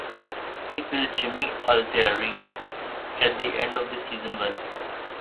He killed Jimmy Altieri at the end of season one.